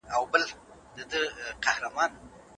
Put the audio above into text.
هغه روبوټ چې په فابریکه کې دی په ډېر دقت سره شیان بسته کوي.